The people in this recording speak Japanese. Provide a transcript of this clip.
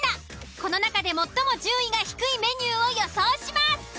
この中で最も順位が低いメニューを予想します。